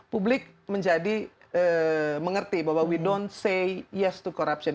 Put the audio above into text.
publik menjadi mengerti bahwa we don't say yes to corruption